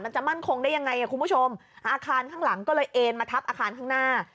จะมั่นคงได้ยังไงคุณผู้ชมอาคารข้างหลังก็เลยเอ็นมาทับอาคารข้างหน้า